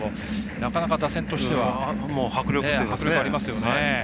なかなか打線としては迫力ありますよね。